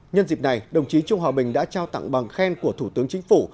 nhân dịp này đồng chí trung hòa bình đã trao tặng bằng khen của thủ tướng chính phủ